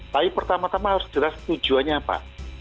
tapi pertama tama harus jelas tujuannya apa